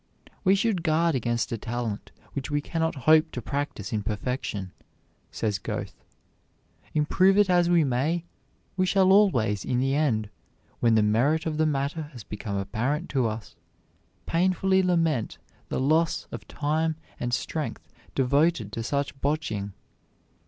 We should guard against a talent which we can not hope to practise in perfection, says Goethe. Improve it as we may, we shall always, in the end, when the merit of the matter has become apparent to us, painfully lament the loss of time and strength devoted to such botching.